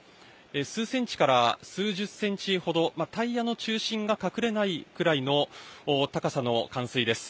数センチから数十センチほど、タイヤの中心が隠れないほどの高さの冠水です。